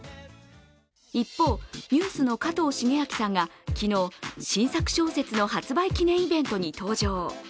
一方、ＮＥＷＳの加藤シゲアキさんが昨日、新作小説の発売記念イベントに登場。